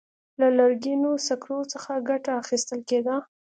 له لرګینو سکرو څخه ګټه اخیستل کېده.